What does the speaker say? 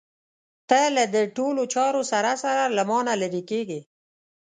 ته له دې ټولو چارو سره سره له مانه لرې کېږې.